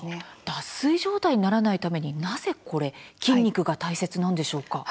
脱水状態にならないためになぜ筋肉が大切なんでしょうか。